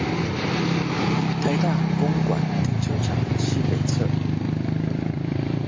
臺大公館停車場西北側